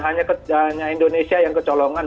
hanya indonesia yang kecolongan